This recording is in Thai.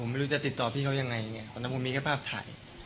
ผมไม่รู้ติดต่อพี่ก็บอกอย่างไรส่วนผมมีแค่ภาพถ่าย